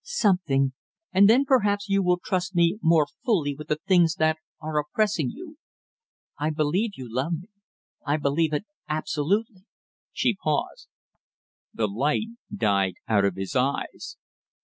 "Something and then perhaps you will trust me more fully with the things that are oppressing you. I believe you love me, I believe it absolutely " she paused. The light died out of his eyes.